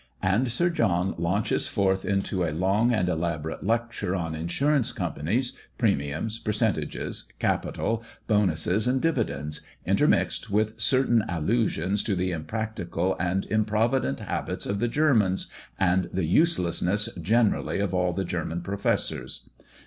And Sir John launches forth into a long and elaborate lecture on insurance companies, premiums, percentages, capital, bonuses, and dividends, intermixed with certain allusions to the impractical and improvident habits of the Germans, and the uselessness generally of all the German professors.